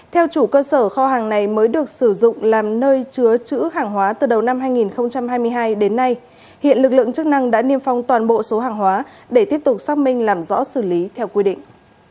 theo chủ cơ sở kho hàng này mới được sử dụng làm nơi chứa chữ hàng hóa từ đầu năm hai nghìn hai mươi hai đến nay hiện lực lượng chức năng đã niêm phong toàn bộ số hàng hóa để tiếp tục xác minh làm rõ xử lý theo quy định